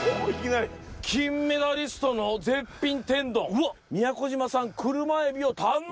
「金メダリストの絶品天丼宮古島産車エビを堪能」。